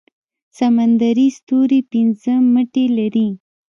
سمندري ستوری پنځه مټې لري